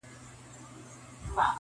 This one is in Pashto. د ښار خلکو ته راوړې یې دعوه وه -